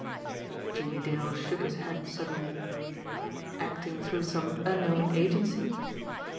Jimmie Dale shook his head suddenly. Acting through some unknown agency?